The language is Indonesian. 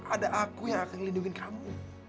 ada aku yang akan lindungi kamu